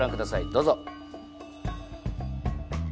どうぞ。